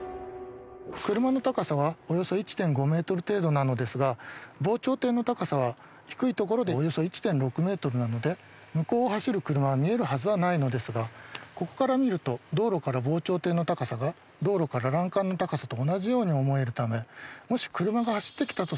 車の高さはおよそ１．５メートル程度なのですが防潮堤の高さは低い所でおよそ１．６メートルなので向こうを走る車が見えるはずはないのですがここから見ると道路から防潮堤の高さが道路から欄干の高さと同じように思えるため。